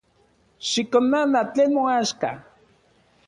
Xikonana tlen moaxka.